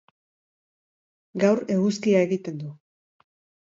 Gaur eguzkia egiten du.